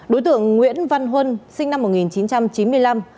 đối tượng nguyễn văn huân sinh năm một nghìn chín trăm chín mươi năm